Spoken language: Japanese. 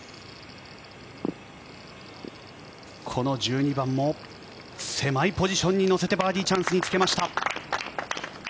この１２番も狭いポジションに乗せてバーディーチャンスにつけました。